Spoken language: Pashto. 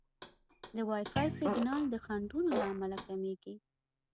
د وائی فای سیګنال د خنډونو له امله کمېږي.